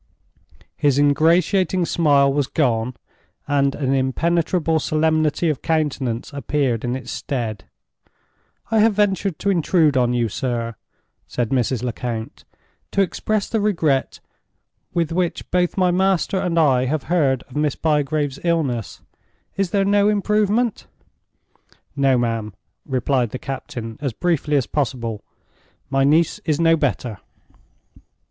His ingratiating smile was gone, and an impenetrable solemnity of countenance appeared in its stead. "I have ventured to intrude on you, sir," said Mrs. Lecount, "to express the regret with which both my master and I have heard of Miss Bygrave's illness. Is there no improvement?" "No, ma'am," replied the captain, as briefly as possible. "My niece is no better."